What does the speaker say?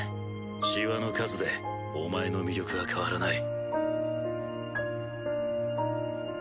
しわの数でお前の魅力は変わらない。